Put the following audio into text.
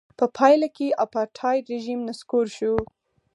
په پایله کې اپارټایډ رژیم نسکور شو.